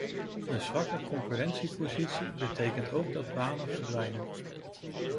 Een zwakke concurrentiepositie betekent ook dat banen verdwijnen.